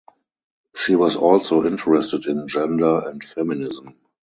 She was also interested in gender and feminism.